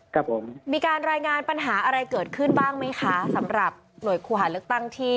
ครับผมมีการรายงานปัญหาอะไรเกิดขึ้นบ้างไหมคะสำหรับหน่วยคู่หาเลือกตั้งที่